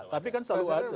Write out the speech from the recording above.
tapi kan selalu ada